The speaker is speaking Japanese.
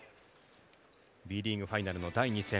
Ｂリーグファイナルの第２戦。